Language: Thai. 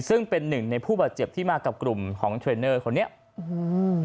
ซึ่งเป็นหนึ่งในผู้บาดเจ็บที่มากับกลุ่มของเทรนเนอร์คนนี้อืม